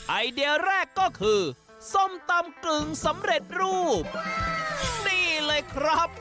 ไอเดียแรกก็คือส้มตำกึ่งสำเร็จรูปนี่เลยครับ